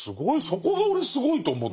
そこが俺すごいと思って。